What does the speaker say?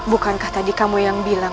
bukankah tadi kamu yang bilang